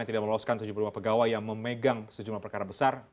yang tidak meloloskan tujuh puluh lima pegawai yang memegang sejumlah perkara besar